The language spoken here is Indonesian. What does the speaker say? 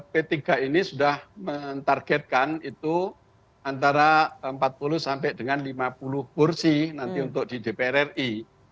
p tiga ini sudah mentargetkan itu antara empat puluh sampai dengan lima puluh kursi nanti untuk di dpr ri